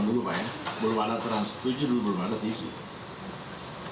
belum ada trans tujuh dulu belum ada tv